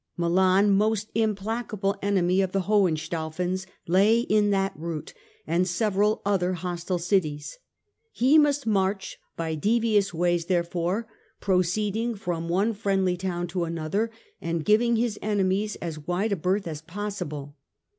Milan, most implacable enemy of the Hohenstaufens, lay in that route, and several other hostile cities. He must march by devious ways, there fore, proceeding from one friendly town to another, and giving his enemies as wide a berth as possible.